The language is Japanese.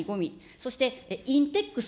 そしてインテックス